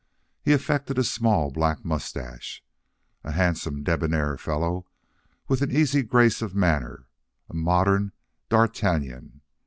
He affected a small, black mustache. A handsome, debonair fellow, with an easy grace of manner: a modern d'Artagnan.